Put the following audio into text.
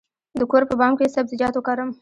د کور په بام کې سبزیجات وکرم؟